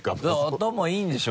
頭いいんでしょ？